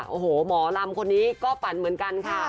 โอ้โหหมอลำคนนี้ก็ฝันเหมือนกันค่ะ